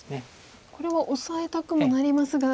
これはオサえたくもなりますが。